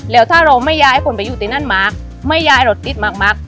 แล้วเมื่อเราไม่ย้ายคนไปอยู่ที่นั่นมาย้ายรถอิดมาก